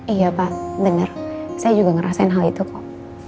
iya pak bener saya juga ngerasain hal itu kok